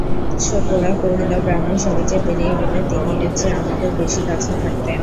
গোরা কহিল, ব্রাহ্মসমাজে বেরিয়ে গেলে তিনি এর চেয়ে আমাদের বেশি কাছে থাকতেন।